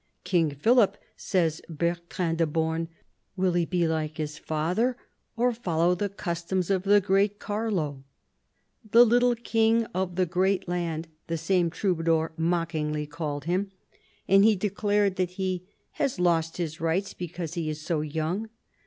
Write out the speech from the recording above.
" King Philip," says Bertrand de Born, " will he be like his father, or follow the customs of the great Carlo ?"" The little king of the great land," the same Troubadour mockingly called him, and he declared that he " has lost his rights because he is so young."